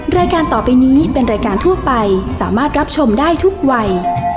รายการต่อไปนี้เป็นรายการทั่วไปสามารถรับชมได้ทุกวัย